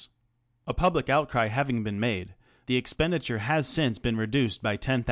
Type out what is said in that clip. A public outcry having been made, the expenditure has since been reduced by ^"10,000.